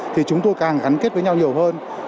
thì chúng tôi càng gắn kết với nhau nhiều hơn